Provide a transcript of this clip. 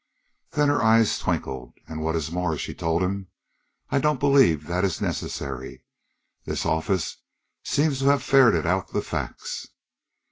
Then her eyes twinkled. "And what is more," she told him, "I don't believe that it is necessary. This office seems to have ferreted out the facts."